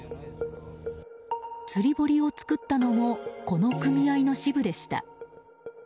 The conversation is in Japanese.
釣り堀を作ったのもこの組合の支部でした。